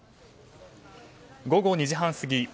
午後２時半過ぎ